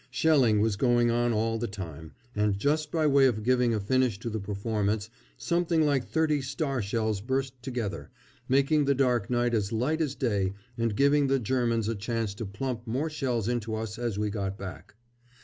Shelling was going on all the time, and just by way of giving a finish to the performance something like thirty star shells burst together, making the dark night as light as day and giving the Germans a chance to plump more shells into us as we got back.